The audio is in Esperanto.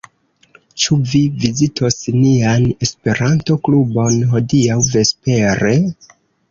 Ĉu vi vizitos nian Esperanto-klubon hodiaŭ vespere?